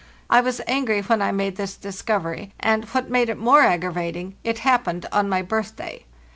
I was angry when I made this discovery, and, what made it more aggravating, it happened on my birthday.